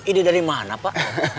ide dari mana pak